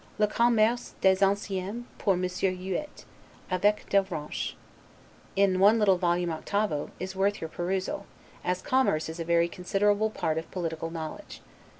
'Le Commerce des Anciens, par Monsieur Huet. Eveque d'Avranche', in one little volume octavo, is worth your perusal, as commerce is a very considerable part of political knowledge.